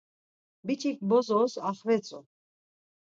Biç̌ik bozos axvetzu.